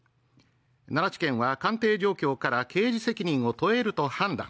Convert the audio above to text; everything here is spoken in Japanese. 奈良地検は鑑定状況から刑事責任を問えると判断